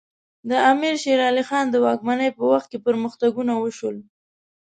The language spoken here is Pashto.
د امیر شیر علی خان د واکمنۍ په وخت کې پرمختګونه وشول.